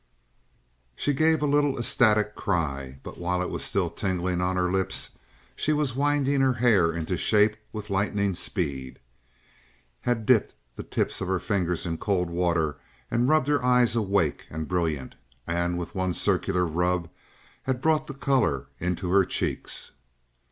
She gave a little ecstatic cry, but while it was still tingling on her lips, she was winding her hair into shape with lightning speed; had dipped the tips of her fingers in cold water and rubbed her eyes awake and brilliant, and with one circular rub had brought the color into her cheeks.